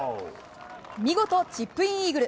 見事、チップインイーグル。